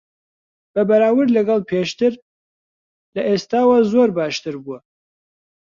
بە بەراورد لەگەڵ پێشتر، لە ئێستاوە زۆر باشتر بووە.